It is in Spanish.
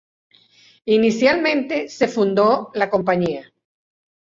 Inicialmente se fundó la "Cia.